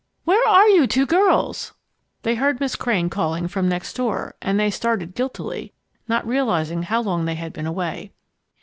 "Where are you two girls?" they heard Miss Crane calling from next door, and they started guiltily, not realizing how long they had been away.